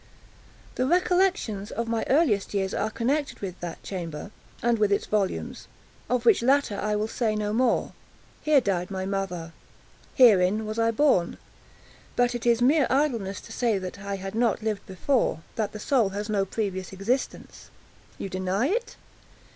The recollections of my earliest years are connected with that chamber, and with its volumes—of which latter I will say no more. Here died my mother. Herein was I born. But it is mere idleness to say that I had not lived before—that the soul has no previous existence. You deny it?